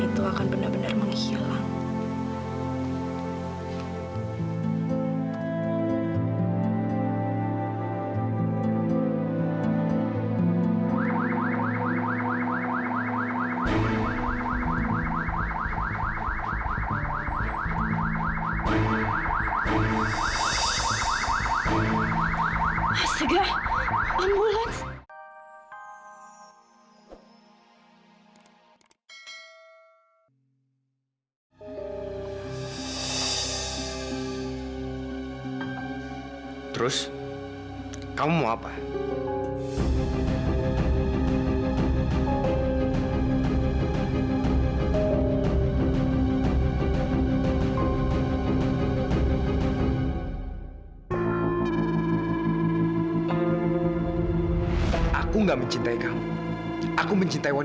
terus kamu mau apa